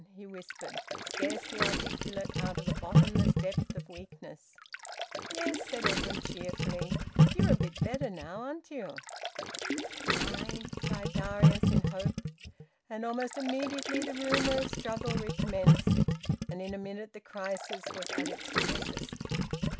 he whispered, scarcely articulate, out of a bottomless depth of weakness. "Yes," said Edwin cheerfully; "you're a bit better now, aren't you?" "Aye!" sighed Darius in hope. And almost immediately the rumour of struggle recommenced, and in a minute the crisis was at its fiercest.